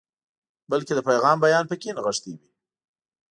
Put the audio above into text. بلکې د پیغام بیان پکې نغښتی وي.